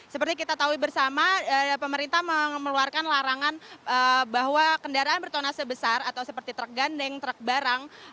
seperti kita tahu bersama pemerintah mengeluarkan larangan bahwa kendaraan bertona sebesar atau seperti truk gandeng truk barang